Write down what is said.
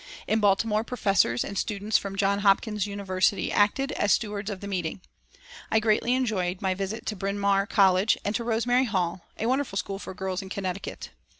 In Baltimore professors, and students from Johns Hopkins University acted as stewards of the meeting. I greatly enjoyed my visit to Bryn Mawr College and to Rosemary Hall, a wonderful school for girls in Connecticut.